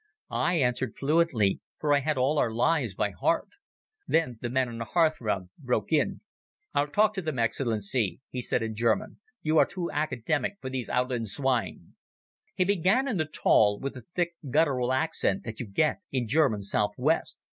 I answered fluently, for I had all our lies by heart. Then the man on the hearthrug broke in. "I'll talk to them, Excellency," he said in German. "You are too academic for those outland swine." He began in the taal, with the thick guttural accent that you get in German South West.